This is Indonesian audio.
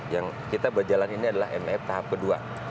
yang kita berjalan ini adalah mef tahap kedua